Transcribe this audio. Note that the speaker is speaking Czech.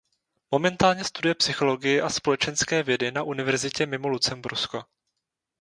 Momentálně studuje psychologii a společenské vědy na univerzitě mimo Lucembursko.